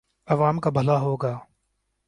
عوام کا بھلا ہو گا۔